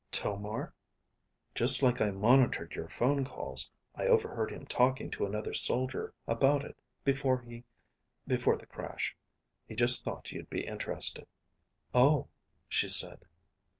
"Tomar?" "Just like I monitored your phone calls, I overheard him talking to another soldier about it before he before the crash. He just thought you'd be interested." "Oh," she said.